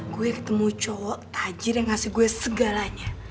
gue ketemu cowok tajir yang ngasih gue segalanya